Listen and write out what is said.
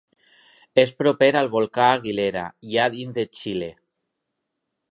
És proper al volcà Aguilera, ja dins de Xile.